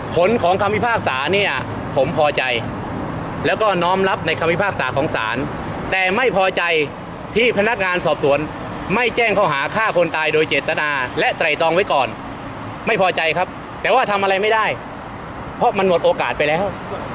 ผลของคำพิพากษาเนี่ยผมพอใจแล้วก็น้อมรับในคำพิพากษาของศาลแต่ไม่พอใจที่พนักงานสอบสวนไม่แจ้งข้อหาฆ่าคนตายโดยเจตนาและไตรตองไว้ก่อนไม่พอใจครับแต่ว่าทำอะไรไม่ได้เพราะมันหมดโอกาสไปแล้ว